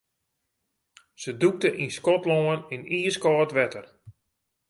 Se dûkte yn Skotlân yn iiskâld wetter.